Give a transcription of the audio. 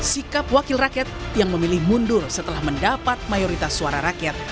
sikap wakil rakyat yang memilih mundur setelah mendapat mayoritas suara rakyat